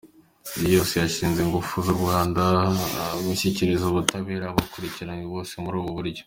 Isi yose yishimiye ingufu z’u Rwanda gushyikiriza ubutabera abakurikiranwe bose muri ubu buryo.